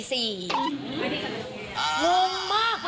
ไม่ได้กำลังเท้า